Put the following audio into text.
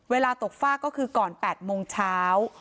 เวลาตกฝ้าก็คือก่อน๘โมงเช้า